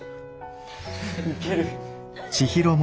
ウケる。